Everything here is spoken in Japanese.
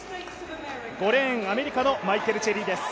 ５レーン、アメリカのマイケル・チェリーです。